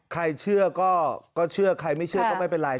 ใครเชื่อก็เชื่อใครไม่เชื่อก็ไม่เป็นไร